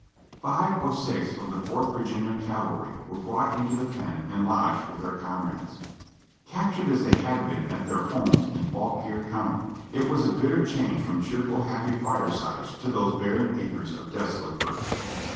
Five or six of the Fourth Virginia Cavalry were brought into the pen and lodged with their comrades. Captured as they had been at their homes in Fauquier County, it was a bitter change from cheerful, happy firesides to those barren acres of desolate earth.